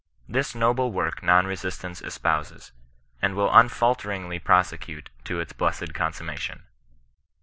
This noble work non resistance espouses, and will unfalteringly prosecute to its blessed consummation.